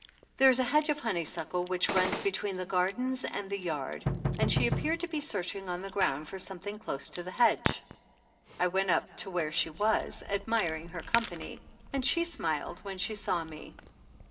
There is a hedge of honeysuckle which runs between the garden and the yard and she appeared to be searching on the ground for something close to this hedge. I weat up to where she was, admiring her company, and she smiled when she saw me.